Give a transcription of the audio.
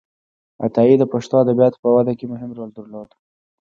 عطایي د پښتو ادبياتو په وده کې مهم رول درلود.